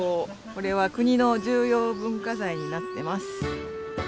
これは国の重要文化財になってます。